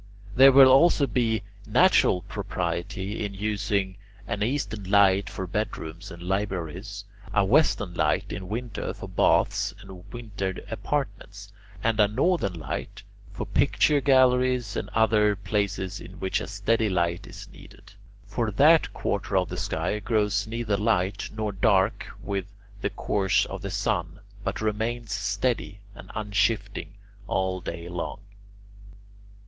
There will also be natural propriety in using an eastern light for bedrooms and libraries, a western light in winter for baths and winter apartments, and a northern light for picture galleries and other places in which a steady light is needed; for that quarter of the sky grows neither light nor dark with the course of the sun, but remains steady and unshifting all day long.